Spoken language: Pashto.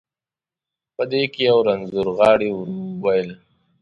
په دې کې یو رنځور غاړي، ورو وویل.